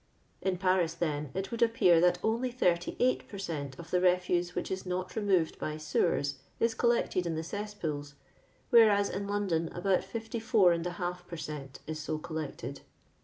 In Paris, then, it would appear that only 88 per cent of the refuse which is not removed by sewers is collected in the cesspools, whereas in London about 54^ per cent is so collected.